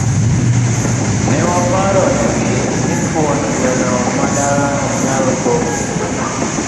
Ne waparo negi, ni thuon gweno ma dala, ok nyal kok e boma.